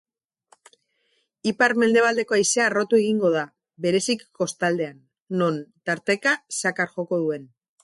Ipar-mendebaldeko haizea harrotu egingo da, bereziki kostaldean non tarteka zakar joko duen.